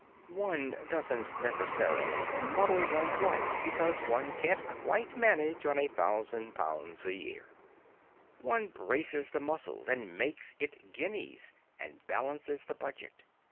One doesn't necessarily muddle one's life because one can't quite manage on a thousand pounds a year; one braces the muscles and makes it guineas, and balances the budget.